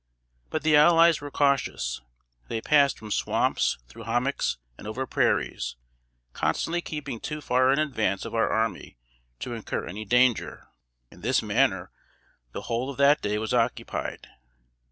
But the allies were cautious; they passed from swamps, through hommocks, and over prairies, constantly keeping too far in advance of our army to incur any danger. In this manner the whole of that day was occupied.